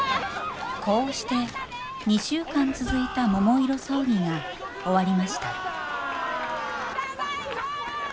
こうして２週間続いた桃色争議が終わりましたただいま！